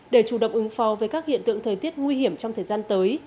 để chủ động ứng phó với các hiện tượng thời tiết nguy hiểm trong thời gian tới